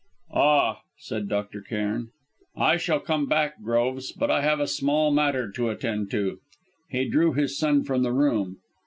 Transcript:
"Ah!" said Dr. Cairn; "I shall come back, Groves, but I have a small matter to attend to." He drew his son from the room.